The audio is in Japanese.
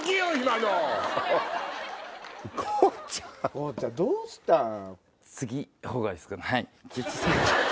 ＧＯちゃんどうしたん？